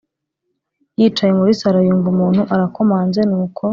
yicaye muri sallon yumva umuntu arakomaze nuko